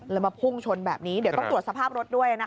แล้วมาพุ่งชนแบบนี้เดี๋ยวต้องตรวจสภาพรถด้วยนะคะ